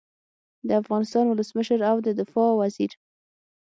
د افغانستان ولسمشر او د دفاع وزیر